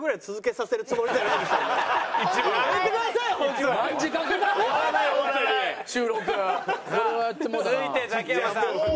さあ続いてザキヤマさん。